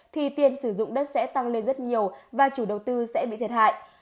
thì tiền sử dụng đất sẽ tăng lên rất nhiều và chủ đầu tư sẽ bị thiệt hại